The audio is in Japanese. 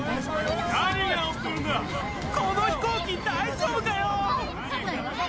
この飛行機大丈夫かよ？